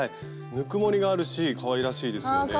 ぬくもりがあるしかわいらしいですよね。